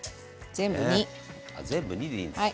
全部２でいいです。